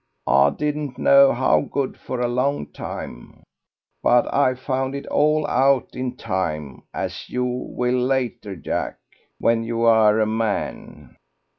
I didn't know how good for a long time, but I found it all out in time, as you will later, Jack, when you are a man.